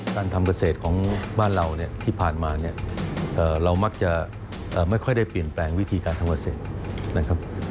การทำเกษตรของบ้านเราที่ผ่านมาเรามักจะไม่ค่อยได้เปลี่ยนแปลงวิธีการทำเกษตร